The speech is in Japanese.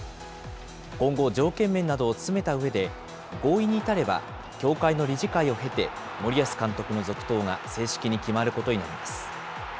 今後、条件面などを詰めたうえで、合意に至れば協会の理事会を経て、森保監督の続投が正式に決まることになります。